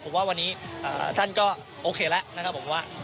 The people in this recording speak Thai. ผมว่าวันนี้ท่านก็โอเคแล้วนะครับผมว่า